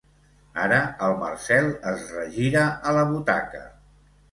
Ara el Marcel es regira a la butaca.